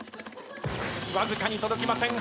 わずかに届きません。